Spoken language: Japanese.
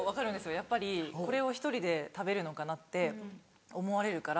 やっぱりこれを１人で食べるのかなって思われるから。